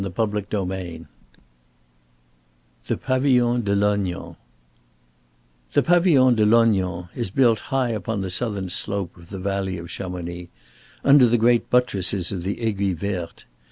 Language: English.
CHAPTER VI THE PAVILLON DE LOGNAN The Pavillon de Lognan is built high upon the southern slope of the valley of Chamonix, under the great buttresses of the Aiguille Verte.